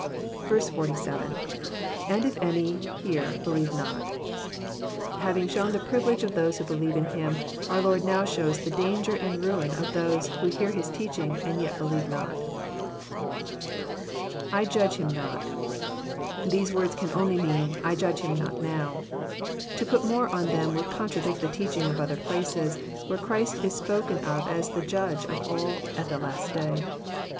47.— [^nd if any...hear.,.believe noL^ Having shown the privilege of those who believe in Him, our Lord now shows the danger and ruin of those who hear His teaching and yet believe not. II Judge him noL"] These words can only mean, << I judge him not now." To put more on them would contradict the teaching of other places, where Christ is spoken of as the Judge of all at the last day.